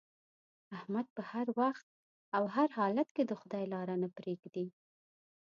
احمد په هر وخت او هر حالت کې د خدای لاره نه پرېږدي.